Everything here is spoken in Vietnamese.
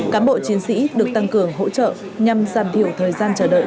cám bộ chiến sĩ được tăng cường hỗ trợ nhằm giảm thiểu thời gian chờ đợi